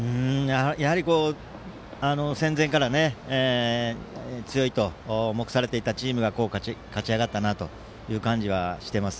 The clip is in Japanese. やはり、戦前から強いと目されていたチームが、勝ち上がったなという感じはしてます。